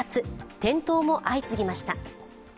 転倒も相次ぎました。